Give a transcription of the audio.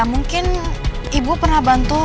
mungkin ibu pernah bantu